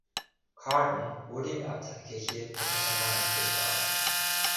Cardon wurde in der Abteikirche von Casamari begraben.